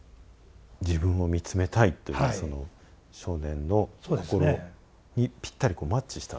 自分を見つめたいっていうその少年の心にぴったりマッチしたわけですね。